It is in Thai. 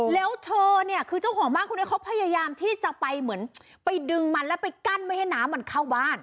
แล้วเธอเนี่ยคือเจ้าของบ้านคนนี้เขาพยายามที่จะไปเหมือนไปดึงมันแล้วไปกั้นไม่ให้น้ำมันเข้าบ้าน